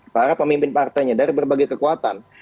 para pemimpin partainya dari berbagai kekuatan